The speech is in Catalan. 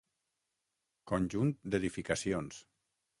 Conjunt d'edificacions.